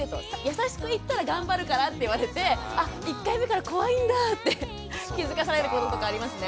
優しく言ったら頑張るからって言われてあっ１回目から怖いんだぁって気付かされることとかありますね。